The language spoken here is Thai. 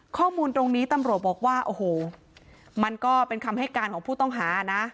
ข้อมูลตรงนี้ตำรวจบอกว่าโอ้โหมันก็เป็นคำให้การของผู้ต้องหานะ